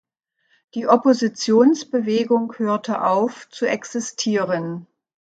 Die Oppositionsbewegung hörte auf zu existieren.